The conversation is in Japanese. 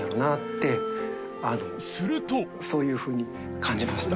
そういうふうに感じました。